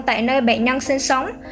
tại nơi bệnh nhân sinh sống